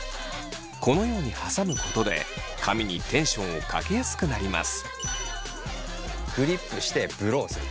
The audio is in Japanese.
このようにはさむことで髪にテンションをかけやすくなります。